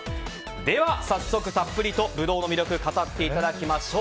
では早速たっぷりとブドウの魅力語っていただきましょう。